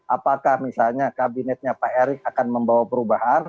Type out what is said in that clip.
apakah misalnya kabinetnya pak erick akan membawa perubahan